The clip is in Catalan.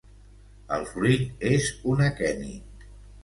El fruit és un aqueni.